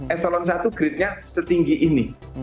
asn satu grid nya setinggi ini